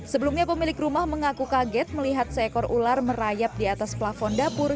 sebelumnya pemilik rumah mengaku kaget melihat seekor ular merayap di atas plafon dapur